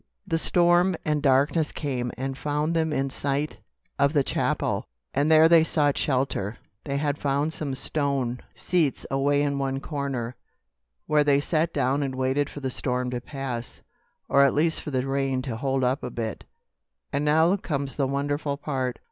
The storm and darkness came and found them in sight of the chapel, and there they sought shelter. They had found some stone seats away in one corner, where they sat down and waited for the storm to pass, or at least for the rain to hold up a bit. "And now comes the wonderful part.